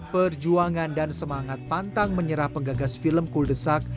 perjuangan dan semangat pantang menyerah penggagas film kuldesak